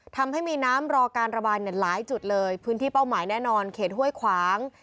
ทำให้มีน้ำรอการระบายเนี่ยหลายจุดเลยพื้นที่เป้าหมายแน่นอนเขตห้วยขวาง